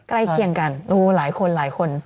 ใกล้เคียงกันดูหลายคนหลายคน